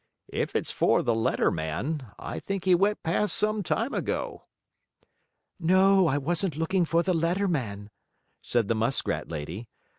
"If it's for the letter man, I think he went past some time ago." "No, I wasn't looking for the letter man," said the muskrat lady.